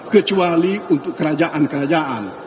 kecuali untuk kerajaan kerajaan